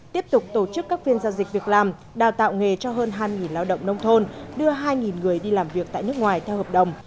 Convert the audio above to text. tiếp tục tổ chức các phiên giao dịch việc làm đào tạo nghề cho hơn hai lao động nông thôn đưa hai người đi làm việc tại nước ngoài theo hợp đồng